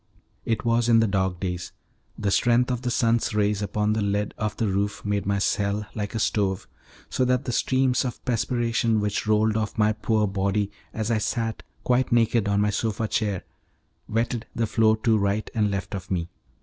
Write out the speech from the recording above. It was in the dog days; the strength of the sun's rays upon the lead of the roof made my cell like a stove, so that the streams of perspiration which rolled off my poor body as I sat quite naked on my sofa chair wetted the floor to right and left of me.